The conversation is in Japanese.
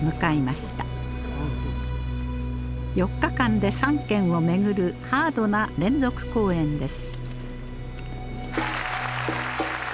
４日間で３県を巡るハードな連続公演です。